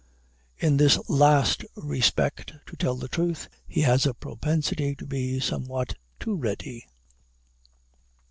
In this last respect, to tell the truth, he has a propensity to be somewhat too ready.